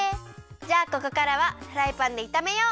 じゃあここからはフライパンでいためよう！